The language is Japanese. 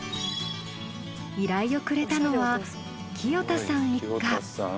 依頼をくれたのは清田さん一家。